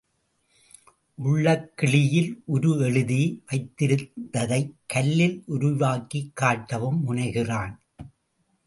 உள்ளக் கிழியில் உரு எழுதி வைத்திருந்ததைக் கல்லில் உருவாக்கிக் காட்டவும் முனைகிறான்.